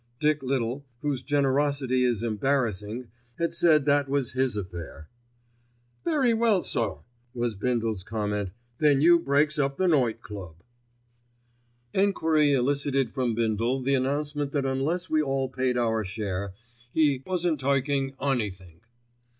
Dick Little, whose generosity is embarrassing, had said that was his affair. "Very well, sir," was Bindle's comment; "then you breaks up the Night Club." Enquiry elicited from Bindle the announcement that unless we all paid our share, he "wasn't taking anythink."